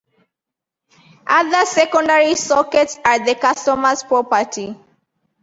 Other secondary sockets are the customer's property.